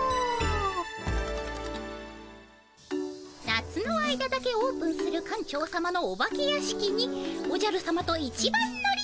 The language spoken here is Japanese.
夏の間だけオープンする館長さまのお化け屋敷におじゃるさまと一番乗り。